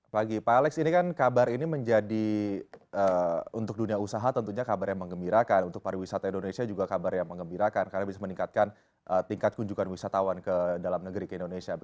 pagi pak alex ini kan kabar ini menjadi untuk dunia usaha tentunya kabar yang mengembirakan untuk pariwisata indonesia juga kabar yang mengembirakan karena bisa meningkatkan tingkat kunjungan wisatawan ke dalam negeri ke indonesia